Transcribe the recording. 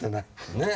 ねえ。